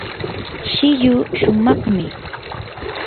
shilluu shumaqmi.